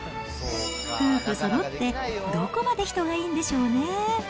夫婦そろって、どこまで人がいいんでしょうね。